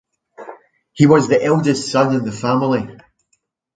He was the eldest son in the family.